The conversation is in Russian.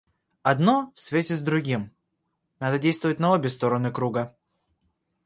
Одно в связи с другим, надо действовать на обе стороны круга.